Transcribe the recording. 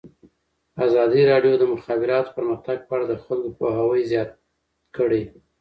ازادي راډیو د د مخابراتو پرمختګ په اړه د خلکو پوهاوی زیات کړی.